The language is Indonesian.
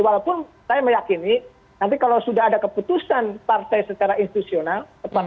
walaupun saya meyakini nanti kalau sudah ada keputusan partai secara institusional